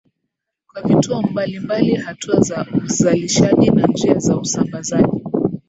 kwa vituo mbali mbali hatua za uzalishaji na njia za usambazaji